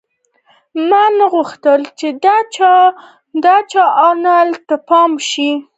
ما نه غوښتل چې د چا انیلا ته پام شي